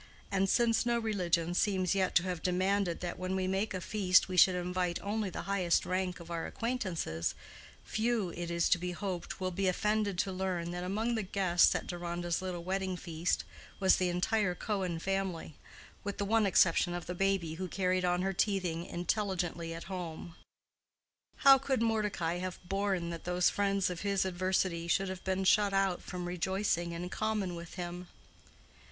And since no religion seems yet to have demanded that when we make a feast we should invite only the highest rank of our acquaintances, few, it is to be hoped, will be offended to learn that among the guests at Deronda's little wedding feast was the entire Cohen family, with the one exception of the baby who carried on her teething intelligently at home. How could Mordecai have borne that those friends of his adversity should have been shut out from rejoicing in common with him?